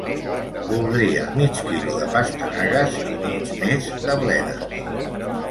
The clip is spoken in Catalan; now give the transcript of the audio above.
Voldria mig quilo de pastanagues i mig més de bledes.